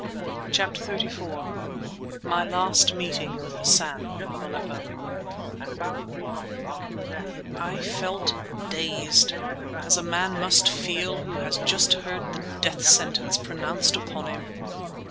CHAPTER XXXIV MY LAST MEETING WITH HASSAN OF ALEPPO I felt dazed, as a man must feel who has just heard the death sentence pronounced upon him.